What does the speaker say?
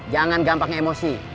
jangan gampang emosi